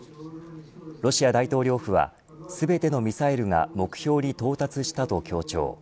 ロシア大統領府は全てのミサイルが目標に到達したと強調。